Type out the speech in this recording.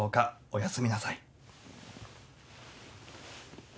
おやすみなさい。